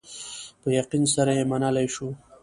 په یقین سره یې منلای شو.